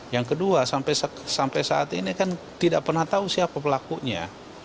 yang kedua sampai saat ini kan tidak pernah tahu siapa pelakunya